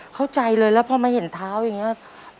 เข้าใจเลยแล้วพอมาเห็นเท้าอย่างนี้